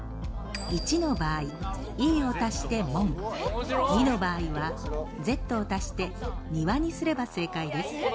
１の場合「Ｅ」を足して「門」２の場合は「Ｚ」を足して「庭」にすれば正解です。